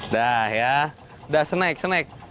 dah ya udah snack snack